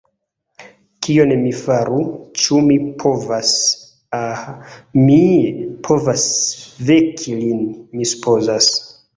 Kion mi faru, ĉu mi povas... ah, mi povas veki lin, mi supozas.